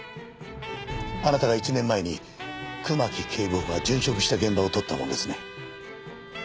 あなたが１年前に熊木警部補が殉職した現場を撮ったものですね。